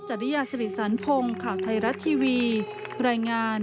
จริยาสิริสันพงศ์ข่าวไทยรัฐทีวีรายงาน